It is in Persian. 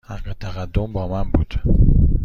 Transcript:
حق تقدم با من بود.